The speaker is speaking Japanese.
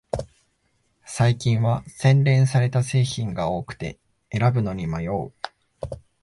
最近は洗練された製品が多くて選ぶのに迷う